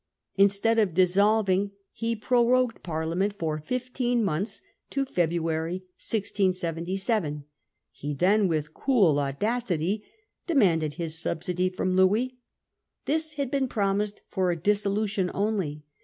Instead of dissolving, he prorogued Parliament for fifteen months, to February 1677. He then, with cool audacity, demanded his subsidy from Louis. This had been promised for a dissolution only.